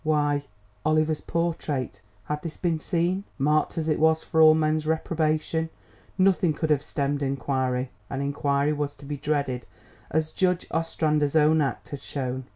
Why, Oliver's portrait! Had this been seen, marked as it was for all men's reprobation, nothing could have stemmed inquiry; and inquiry was to be dreaded as Judge Ostrander's own act had shown.